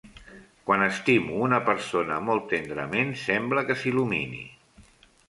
Quan estimo una persona molt tendrament, sembla que s'il·lumini.